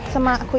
sama aku ya